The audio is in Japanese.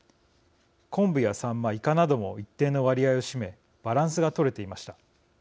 コンブやサンマイカなども一定の割合を占めバランスが取れていました。